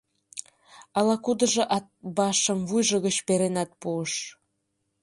Ала-кудыжо Атбашым вуйжо гыч перенат пуыш.